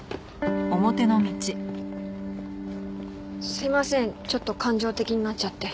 すいませんちょっと感情的になっちゃって。